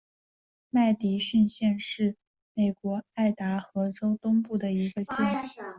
麦迪逊县是美国爱达荷州东部的一个县。